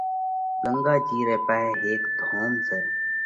“ڳنڳا جِي رئہ پاهئہ هيڪ ڌوم سئہ